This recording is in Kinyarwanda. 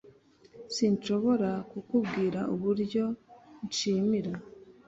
Sinshobora kukubwira uburyo nshimira